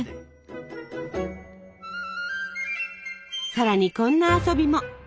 さらにこんな遊びも。